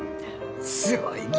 すごいき！